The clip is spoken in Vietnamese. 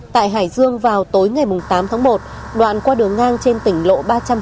tại hải dương vào tối ngày tám tháng một đoạn qua đường ngang trên tỉnh lộ ba trăm tám mươi